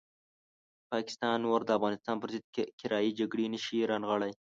پاکستان نور د افغانستان پرضد کرایي جګړې نه شي رانغاړلی.